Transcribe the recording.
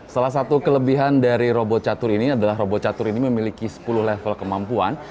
salah satu kelebihan dari robot catur ini adalah robot catur ini memiliki sepuluh level kemampuan